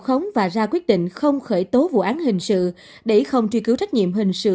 khống và ra quyết định không khởi tố vụ án hình sự để không truy cứu trách nhiệm hình sự